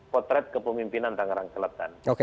potret kepemimpinan tangerang selatan